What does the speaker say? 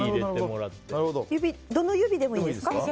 どの指でもいいですか？